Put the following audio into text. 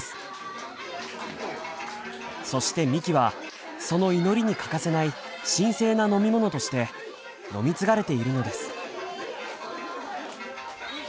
そしてみきはその祈りに欠かせない神聖な飲み物として飲み継がれているのです。